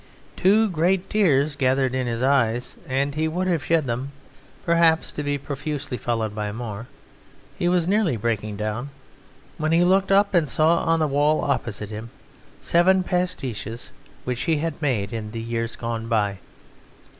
Two great tears gathered in his eyes, and he would have shed them, perhaps to be profusely followed by more he was nearly breaking down when he looked up and saw on the wall opposite him seven pastiches which he had made in the years gone by.